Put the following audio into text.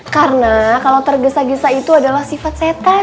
karena kalau tergesa gesa itu adalah sifat setan